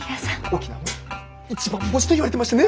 沖縄の一番星といわれてましてね。